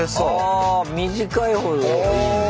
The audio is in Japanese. あ短いほどいいんだ。